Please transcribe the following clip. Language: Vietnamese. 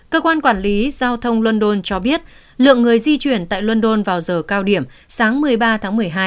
cơ quan quản lý giao thông london cho biết lượng người di chuyển tại london vào giờ cao điểm sáng một mươi ba tháng một mươi hai